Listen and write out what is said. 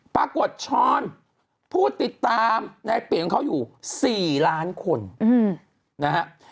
ปรากฏช้อนผู้ติดตามในเปียกของเขาอยู่๔ล้านคนนะฮะ